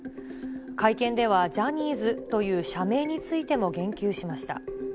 会見では、ジャニーズという社名についても言及しました。